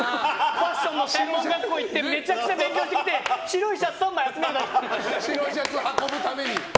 ファッションの専門学校行ってめちゃめちゃ勉強してきて白いシャツ運ぶために。